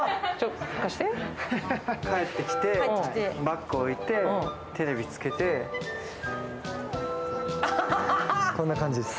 帰ってきて、バッグ置いて、テレビつけてこんな感じです。